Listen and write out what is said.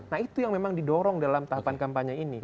nah itu yang memang didorong dalam tahapan kampanye ini